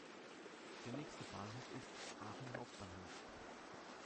Der nächste Bahnhof ist "Aachen Hbf".